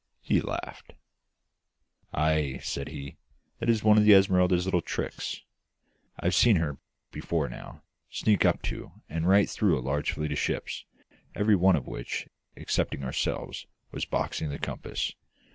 He laughed. "Ay," said he, "that is one of the Esmeralda's little tricks. I've seen her, before now, sneak up to and right through a large fleet of ships, every one of which, excepting ourselves, was boxing the compass.